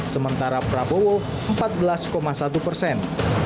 sementara prabowo empat belas satu persen